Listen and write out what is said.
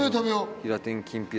ひら天きんぴら。